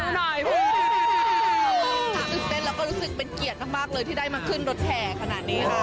ตื่นเต้นแล้วก็รู้สึกเป็นเกียรติมากเลยที่ได้มาขึ้นรถแห่ขนาดนี้ค่ะ